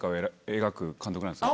描く監督なんですよ。